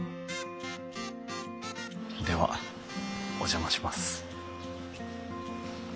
ではお邪魔します。